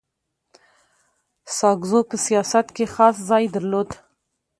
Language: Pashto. ساکزو په سیاست کي خاص ځای درلود.